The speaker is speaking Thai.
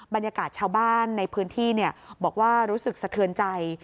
บรรยากาศชาวบ้านในพื้นที่บอกว่ารู้สึกสะเทือนใจ